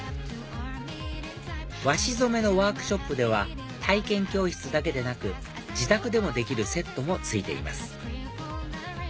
和紙染めのワークショップでは体験教室だけでなく自宅でもできるセットも付いています